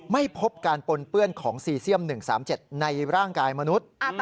ไม่พบการปนเปื้อนของซีเซียม๑๓๗ในร่างกายมนุษย์